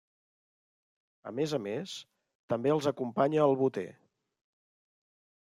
A més a més, també els acompanya el boter.